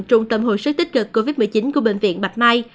trung tâm hồi sức tích cực covid một mươi chín của bệnh viện bạch mai